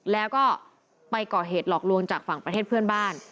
แล้วก็ไปก่อเหตุหลอกลวงจากฝั่งประเทศเพื่อนบ้าน